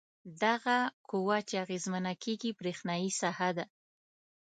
دغه قوه چې اغیزمنه کیږي برېښنايي ساحه ده.